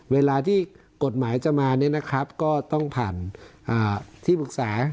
เวลาที่กฎหมายจะมาเนี่ยนะครับก็ต้องผ่านที่ปรึกษา